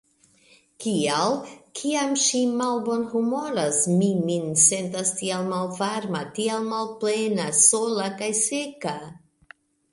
Kial, kiam ŝi malbonhumoras, mi min sentas tiel malvarma, tiel malplena, sola kaj seka?